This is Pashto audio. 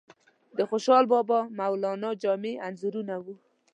د خوشحال بابا، مولانا جامی انځورونه وو.